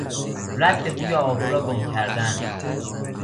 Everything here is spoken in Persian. رد بوی آهو را گم کردن